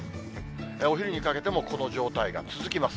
お昼にかけてもこの状態が続きます。